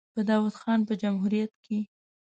په داوود خان په جمهوریت کې.